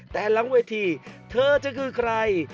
แต่หลังเวทีเธอจะคือใคร